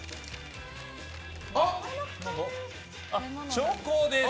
チョコです！